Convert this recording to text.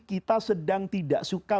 kita sedang tidak suka